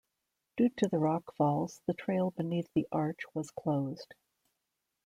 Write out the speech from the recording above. Due to the rockfalls, the trail beneath the arch was closed.